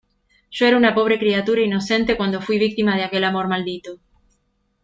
yo era una pobre criatura inocente cuando fuí víctima de aquel amor maldito.